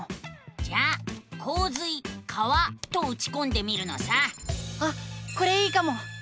じゃあ「こう水川」とうちこんでみるのさ。あっこれいいかも。